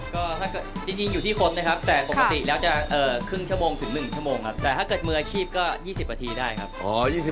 ก็ถ้าเกิดจริงอยู่ที่คนนะครับแต่ปกติแล้วจะครึ่งชั่วโมงถึง๑ชั่วโมงครับแต่ถ้าเกิดมืออาชีพก็๒๐นาทีได้ครับ